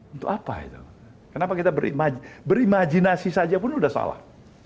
untuk apa itu kenapa kita berimajinasi saja pun sudah salah